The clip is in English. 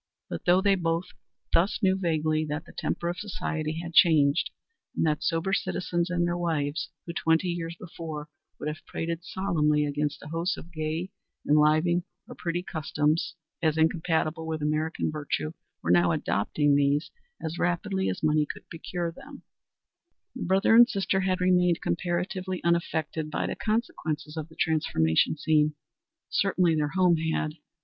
But though they both thus knew vaguely that the temper of society had changed, and that sober citizens and their wives, who, twenty years before, would have prated solemnly against a host of gay, enlivening or pretty customs as incompatible with American virtue, were now adopting these as rapidly as money could procure them the brother and sister had remained comparatively unaffected by the consequences of the transformation scene. Certainly their home had.